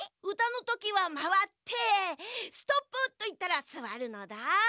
うたのときはまわって「ストップ！」といったらすわるのだ。